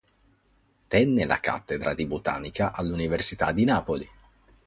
Tenne la cattedra di Botanica all'Università di Napoli.